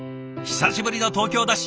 久しぶりの東京だし